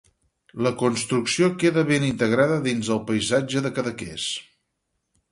La construcció queda ben integrada dins del paisatge de Cadaqués.